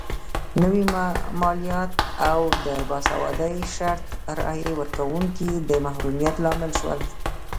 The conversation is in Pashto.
نوي مالیات او د باسوادۍ شرط د رایې ورکونکو د محرومیت لامل شول.